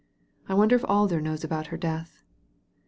"I wonder if Alder knows about her death."